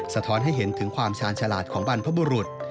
สะท้อนให้เห็นถึงความชาญฉลาดของบรรพบุรุษ